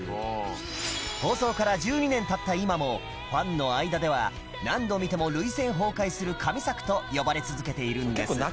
放送から１２年経った今もファンの間では何度見ても涙腺崩壊する神作と呼ばれ続けているんです